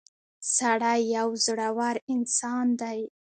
• سړی یو زړور انسان دی.